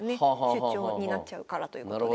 出張になっちゃうからということで。